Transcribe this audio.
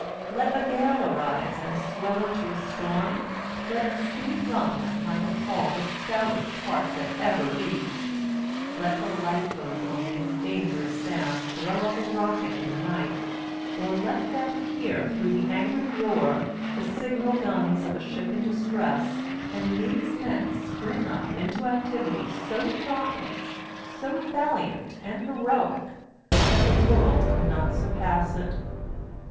Let a gale arise and swell into a storm, let a sea run that might appal the stoutest heart that ever beat, let the Light boat on these dangerous sands throw up a rocket in the night, or let them hear through the angry roar the signal guns of a ship in distress, and these men spring up into activity so dauntless, so valiant, and heroic, that the world cannot surpass it.